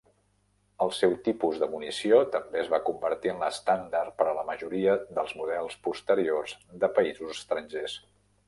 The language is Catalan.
El seu tipus de munició també es va convertir en l'estàndard per a la majoria dels models posteriors de països estrangers.